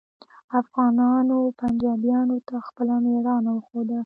افغانانو پنجابیانو ته خپله میړانه وښوده